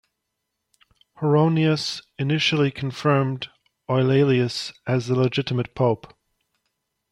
Honorius initially confirmed Eulalius as the legitimate pope.